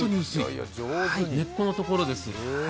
根っこのところです。